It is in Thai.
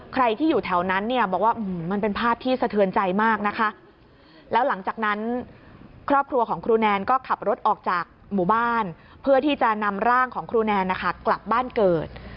ใครที่อยู่แถวนั้นเนี่ยบอกว่ามันเป็นภาพที่สะเทือนใจมากนะคะแล้วหลังจากนั้นครอบครัวของครูแนนก็ขับรถออกจากหมู่บ้านเพื่อที่จะนำร่างของครูแนนนะคะกลับบ้านเกิด